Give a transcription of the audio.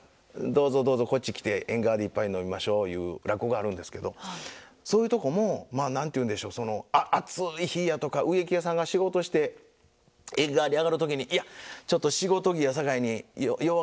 どうぞどうぞこっち来て縁側で一杯飲みましょう」いう落語があるんですけどそういうとこもまあ何て言うんでしょうその暑い日やとか植木屋さんが仕事して縁側に上がる時に「いやちょっと仕事着やさかいによう